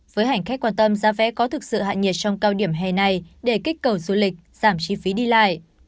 với hành khách quan tâm giá vé có thực sự hạ nhiệt trong cao điểm hè này để kích cầu du lịch giảm chi phí đi lại